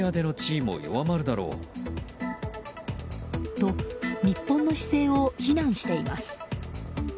と、日本の姿勢を非難しています。